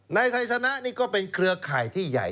ในไทยสนะนี้ก็เป็นเครือไข่ที่ใหญ่